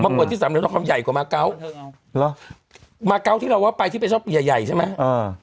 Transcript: มากกว่าที่สามเหลี่ยมทองคำใหญ่กว่ามาเก้าเหรอมาเก้าที่เราว่าไปที่เธอชอบเยอะใหญ่ใช่ไหมอ่า